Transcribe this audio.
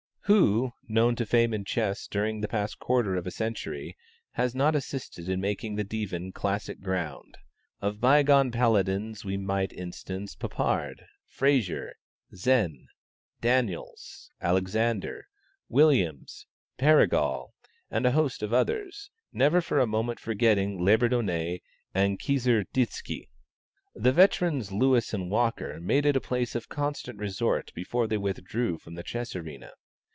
Who, known to fame in chess during the past quarter of a century, has not assisted in making the Divan classic ground? Of bygone palladins we might instance Popard, Fraser, Zenn, Daniels, Alexander, Williams, Perigal, and a host of others, never for a moment forgetting Labourdonnais and Kieseritzky. The veterans Lewis and Walker made it a place of constant resort before they withdrew from the chess arena.